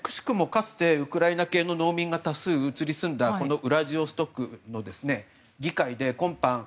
かつてウクライナ系の農民が多数移り住んだウラジオストクの議会で今般